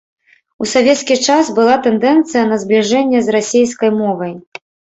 У савецкі час была тэндэнцыя на збліжэнне з расейскай мовай.